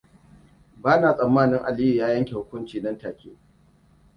Bana tsammanin Aliyu ya yanke hukunci nan take.